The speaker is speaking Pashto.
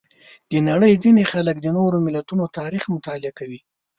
د نړۍ ځینې خلک د نورو ملتونو تاریخ مطالعه کوي.